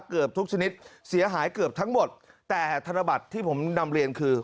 เกือบทุกชนิดเสียหายเกือบทั้งหมดแต่ธนบัตรที่ผมนำเรียนคือ